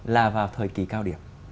là vào thời kỳ cao điểm